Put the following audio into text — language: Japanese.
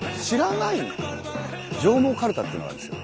上毛かるたっていうのがあるんですよ